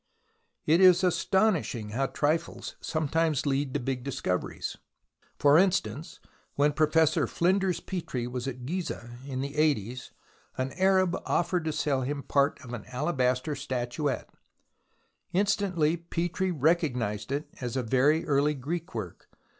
It is astonishing how trifles sometimes lead to big discoveries. For instance, when Professor Flinders Petrie was at Gizeh in the 'eighties, an Arab offered to sell him part of an alabaster THE ROMANCE OF EXCAVATION 95 statuette. Instantly Petrie recognized it as a very early Greek work.